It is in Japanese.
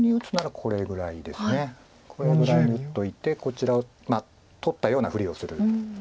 これぐらいに打っといてこちらをまあ取ったようなふりをする。